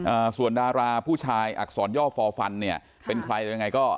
อ่าส่วนดาราผู้ชายอักษรย่อฟอร์ฟันเนี่ยเป็นใครหรือยังไงก็